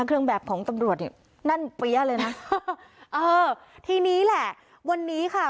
เครื่องแบบของตำรวจเนี่ยนั่นเปี้ยเลยนะเออทีนี้แหละวันนี้ค่ะ